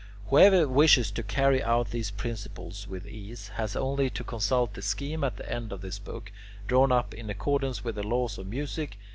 Whoever wishes to carry out these principles with ease, has only to consult the scheme at the end of this book, drawn up in accordance with the laws of music.